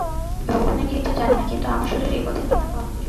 ভগবানের কি ইচ্ছা জানি না, কিন্তু আমার শরীর এ পথের নিতান্ত অনুপযুক্ত।